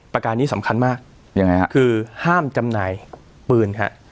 ประการนี้สำคัญมากยังไงฮะคือห้ามจำหน่ายปืนฮะ